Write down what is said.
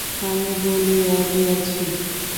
আমি বলিয়া দিয়াছি।